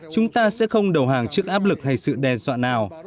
chúng ta sẽ không đầu hàng trước áp lực hay sự đe dọa nào